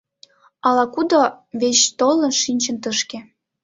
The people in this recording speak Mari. Ала-кудо веч толын шинчын тышке.